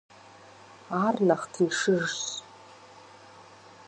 Ар нэхъ тыншыжщ.